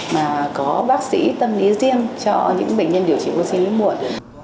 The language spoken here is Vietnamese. mà có bác sĩ tâm lý riêng cho những bệnh nhân điều trị vô sinh muộn